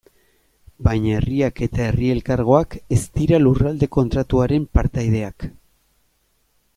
Baina herriak eta herri elkargoak ez dira Lurralde Kontratuaren partaideak.